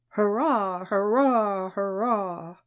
Hurrah! Hurrah! Hurrah!"